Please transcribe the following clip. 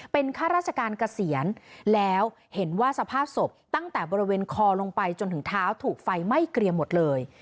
เป็นข้าราชการเกษียณแล้วเห็นว่าสภาพศพตั้งแต่บริเวณคอลงไปจนถึงเท้าถูกไฟไหม้เกรียมหมดเลย